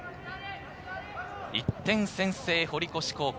１点先制、堀越高校。